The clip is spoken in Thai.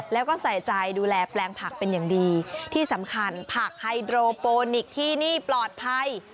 แล้วก็ใส่ใจดูแลแปลงผักเป็นอย่างดีที่สำคัญผักไฮโดรโปนิกที่นี่ปลอดภัย